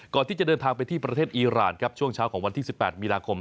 ก่อนที่จะเดินทางไปที่ประเทศอีรานครับช่วงเช้าของวันที่๑๘มีนาคม